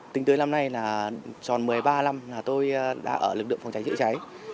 tính tới năm nay là tròn một mươi ba năm là tôi đã ở lực lượng phòng cháy chữa cháy